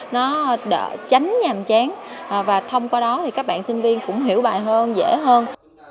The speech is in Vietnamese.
nó đỡ chánh nhàm chán và thông qua đó các bạn sinh viên cũng hiểu bài hơn dễ hơn